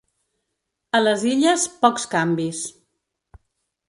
A les Illes, pocs canvis.